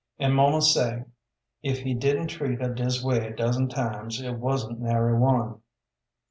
An' muma say, if he didn't treat her dis way a dozen times, it wasn't nary one.